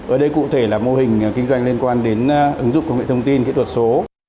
ở đây cụ thể là mô hình kinh doanh liên quan đến ứng dụng công nghệ thông tin kỹ thuật số